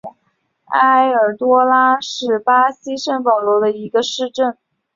埃尔多拉多是巴西圣保罗州的一个市镇。